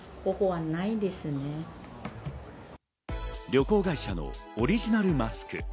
旅行会社のオリジナルマスク。